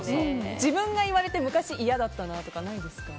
自分が言われて昔、嫌だったなとかないですか？